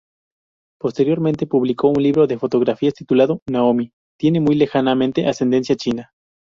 Posteriormente publicó un libro de fotografías titulado "Naomi"; tiene muy lejanamente ascendencia china.